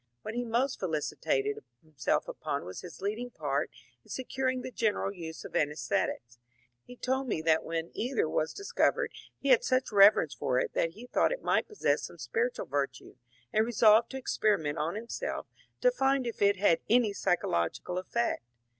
What he most felicitated himself upon was his leading part in securing the general use of ansesthetics. He told me that when ether was discovered he had such reverence for it that he thought it might possess some spiritual virtue, and resolved to experiment on himself to find if it had any psy chological effect.